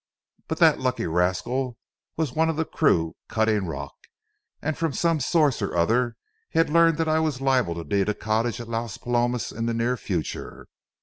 But that lucky rascal was one of the crew cutting rock, and from some source or other he had learned that I was liable to need a cottage at Las Palomas in the near future.